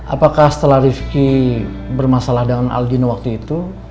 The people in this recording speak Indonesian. apakah setelah rifki bermasalah dengan aldina waktu itu